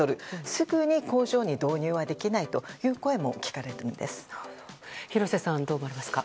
すぐに工場に導入はできないという声も廣瀬さん、どう思いますか。